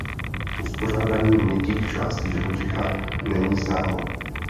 Uspořádání měkkých částí živočicha není známo.